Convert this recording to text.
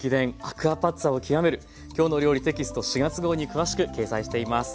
アクアパッツァを極める」「きょうの料理」テキスト４月号に詳しく掲載しています。